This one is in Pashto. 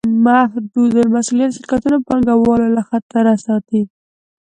محدودالمسوولیت شرکتونه پانګهوال له خطره ساتي.